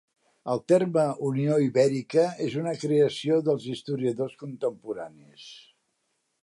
El terme Unió Ibèrica és una creació dels historiadors contemporanis.